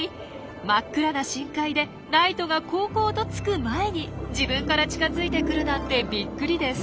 真っ暗な深海でライトが煌々とつく前に自分から近づいてくるなんてびっくりです。